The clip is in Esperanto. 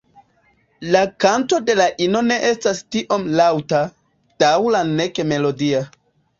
La kanto de la ino ne estas tiom laŭta, daŭra nek melodia.